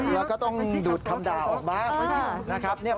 แล้วก็ต้องดูดคำดาวน์ออกมา